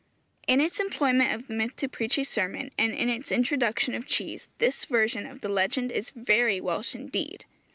] In its employment of the myth to preach a sermon, and in its introduction of cheese, this version of the legend is very Welsh indeed.